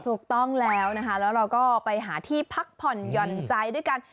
ถูกต้องแล้วนะคะแล้วเราก็ไปหาที่พักผ่อนหย่อนใจด้วยกัน